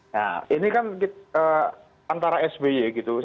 nah ini kan antara sby gitu